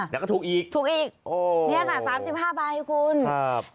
แล้วก็ถูกอีกถูกอีกโอ้เนี่ยค่ะสามสิบห้าใบคุณครับ